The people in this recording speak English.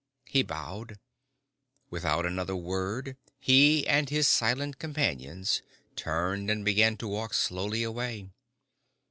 He bowed. Without another word he and his silent companions turned and began to walk slowly away.